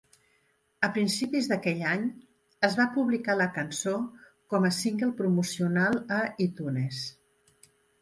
A principis d'aquell any, es va publicar la cançó com a single promocional a iTunes.